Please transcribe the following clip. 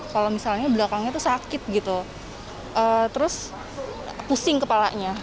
kalau misalnya belakangnya itu sakit gitu terus pusing kepalanya